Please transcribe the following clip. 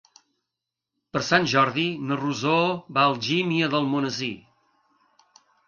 Per Sant Jordi na Rosó va a Algímia d'Almonesir.